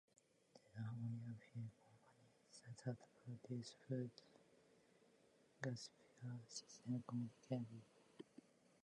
There are only a few companies that produce wood gasifier systems commercially.